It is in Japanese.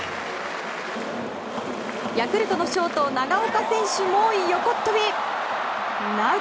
ヤクルトのショート、長岡選手も横っ飛び！